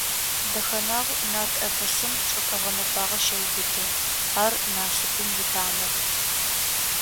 Дэхэнагъу нарт эпосым чӏыпӏэ гъэнэфагъэ щеубыты, ар насыпым итамыгъ.